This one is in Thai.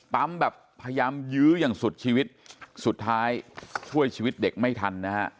แบบพยายามยื้ออย่างสุดชีวิตสุดท้ายช่วยชีวิตเด็กไม่ทันนะฮะ